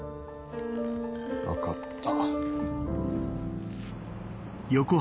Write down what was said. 分かった。